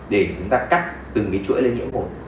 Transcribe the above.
để chúng ta cắt từng cái chuỗi lên nhiễm cột